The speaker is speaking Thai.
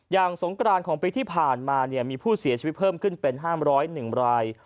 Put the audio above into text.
สงกรานของปีที่ผ่านมามีผู้เสียชีวิตเพิ่มขึ้นเป็น๕๐๑ราย